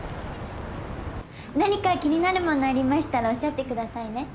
何か気になるものありましたらおっしゃってくださいね。